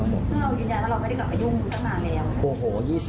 เรายืนยันแล้วเราไม่ได้กลับไปยุ่งกับรายการแล้ว